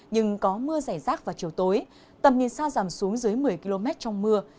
nhưng có mưa rải rác vào chiều tối tầm nhìn xa giảm xuống dưới một mươi km trong mưa